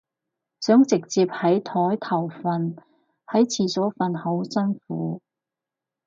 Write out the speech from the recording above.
想直接喺枱頭瞓，喺廁所瞓好辛苦